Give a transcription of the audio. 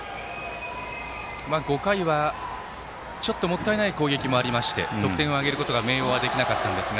５回は、ちょっともったいない攻撃もあって得点を挙げることは明桜はできなかったんですが。